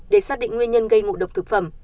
để xác định nguyên nhân gây ngộ độc thực phẩm